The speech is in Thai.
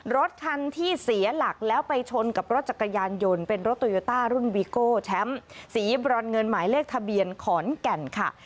รถคันที่เสียหลักแล้วไปชนกับรถจักรยานยนต์เป็นรถโตโยต้ารุ่นวีโก้แชมป์สีบรอนเงินหมายเลขทะเบียนขอนแก่นค่ะ